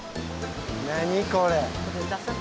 何これ？